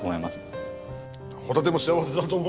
ホタテも幸せだと思う。